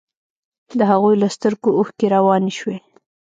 د هغوى له سترګو اوښكې روانې سوې.